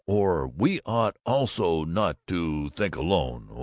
or 'We ought also not to think alone?